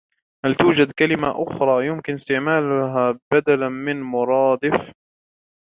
هل توجد كلمة أخرى يمكن استعمالها بدلا من " مرادف "؟